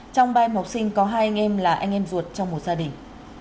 trong ba em học sinh có hai anh em là anh em ruột trong một gia đình